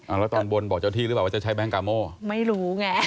แล้วตอนบนบอกเจ้าที่หรือเปล่าว่าจะใช้แก๊งกาโม่ไม่รู้ไง